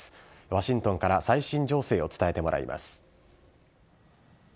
ワシントンから最新情勢を伝えてもらいます。